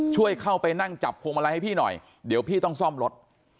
ช่วยเข้าไปนั่งจับพวงมาลัยให้พี่หน่อยเดี๋ยวพี่ต้องซ่อมรถ